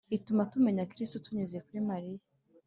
ituma tumenya kristu tunyuze kuri mariya